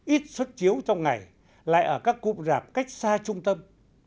ít xuất chiếu trong ngày lại ở các cụm rạp cách xa trung tâm